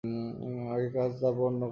আগে কাজ, তারপর অন্য কথা।